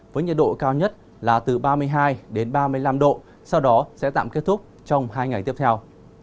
với nhiệt độ cao nhất là từ ba mươi hai ba mươi năm độ sau đó sẽ tạm kết thúc trong hai ngày tiếp theo